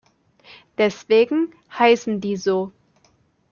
Deswegen heißen die so.